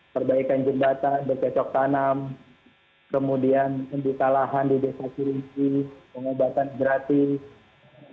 perbaikan jembatan dan kecok tanam kemudian pendeta lahan di desa silinci pengobatan gratis